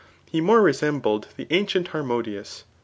he more resem bled3 the ancient Harmodius.